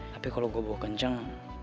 tapi kalau gue bawa kencang